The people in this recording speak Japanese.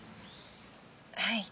はい。